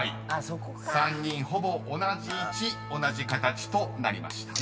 ［３人ほぼ同じ位置同じ形となりました］